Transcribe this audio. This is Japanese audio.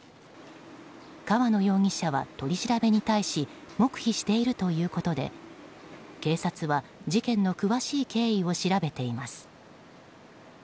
川野容疑者は取り調べに対し黙秘しているということで警察は事件の詳しい経緯を調べています。